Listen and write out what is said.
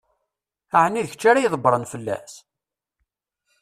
Ɛni d kečč ara ydebbṛen fell-as?